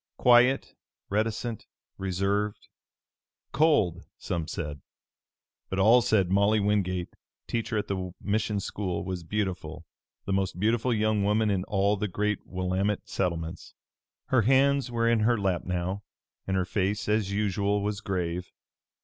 Quiet, reticent, reserved cold, some said; but all said Molly Wingate, teacher at the mission school, was beautiful, the most beautiful young woman in all the great Willamette settlements. Her hands were in her lap now, and her face as usual was grave.